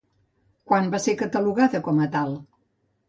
Quan va ser catalogada com a tal?